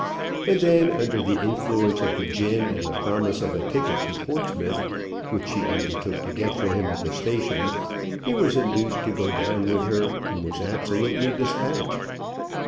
Then, under the influence of the gin and the promise of a ticket to Portsmouth, which she undertook to get for him at the station, he was induced to go down with her, and was absolutely despatched.